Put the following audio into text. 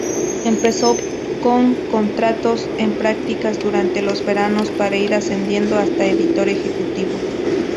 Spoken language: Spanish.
Empezó con contratos en prácticas durante los veranos, para ir ascendiendo hasta editor ejecutivo.